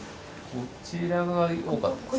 こちらが多かったですね。